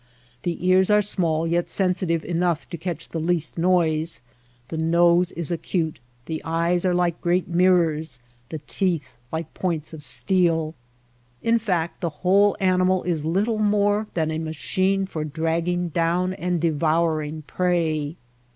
The ears are small yet sensitive enough to catch the least noise, the nose is acute, the eyes are like great mirrors, the teeth like points of steel. In fact the whole animal is little more than a machine for dragging down and devour ing prey.